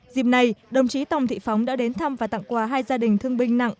dịp này đồng chí tòng thị phóng đã đến thăm và tặng quà hai gia đình thương binh nặng